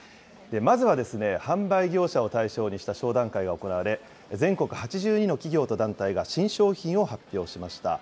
まずは、販売業者を対象にした商談会が行われ、全国８２の企業と団体が、新商品を発表しました。